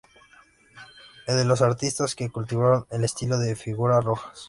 Es de los artistas que cultivaron el estilo de figuras rojas.